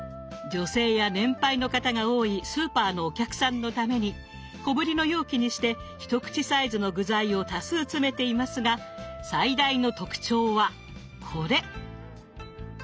女性や年配の方が多いスーパーのお客さんのために小ぶりの容器にして一口サイズの具材を多数詰めていますが最大の特徴はこれ！